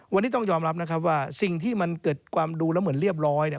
วันนี้ต้องยอมรับนะครับว่าสิ่งที่มันเกิดความดูแล้วเหมือนเรียบร้อย